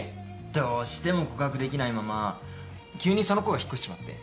どうしても告白できないまま急にその子が引っ越しちまって。